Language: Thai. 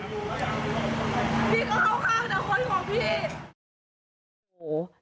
พี่ก็เข้าข้างแต่คนของพี่